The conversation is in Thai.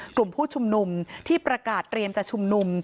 กลุ่มผู้ชุมนุมที่ประกาศเตรียมจะชุมนุม